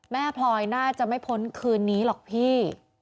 พลอยน่าจะไม่พ้นคืนนี้หรอกพี่